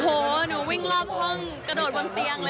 โอ้โหหนูวิ่งรอบห้องกระโดดบนเตียงเลย